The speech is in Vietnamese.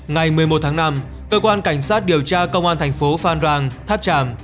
ngày một mươi một tháng năm cơ quan cảnh sát điều tra công an thành phố phan rang tháp tràm